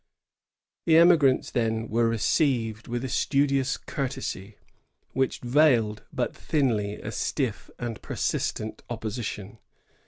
The emigrants, then, were received with a studious courtesy, which veiled but thinly a stiff and persist ent opposition.